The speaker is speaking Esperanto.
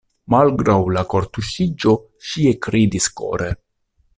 Malgraŭ la kortuŝiĝo ŝi ekridis kore.